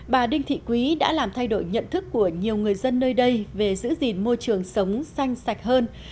bà đinh thị quý đã làm thay đổi nhận thức của nhiều người dân nơi đây về giữ gìn môi trường sống xanh sạch hơn